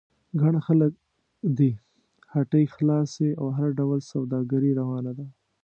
ګڼ خلک دي، هټۍ خلاصې او هر ډول سوداګري روانه ده.